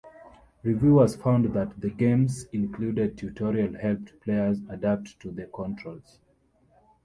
Reviewers found that the game's included tutorial helped players adapt to the controls.